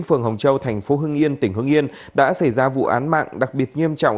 phường hồng châu thành phố hưng yên tỉnh hưng yên đã xảy ra vụ án mạng đặc biệt nghiêm trọng